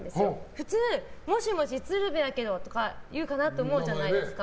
普通、もしもし、鶴瓶やけどとか言うかなと思うじゃないですか。